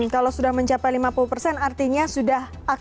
kalau sudah mencapai lima puluh persen artinya sudah